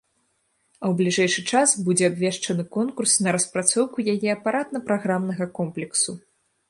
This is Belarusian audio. А ў бліжэйшы час будзе абвешчаны конкурс на распрацоўку яе апаратна-праграмнага комплексу.